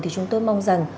thì chúng tôi mong rằng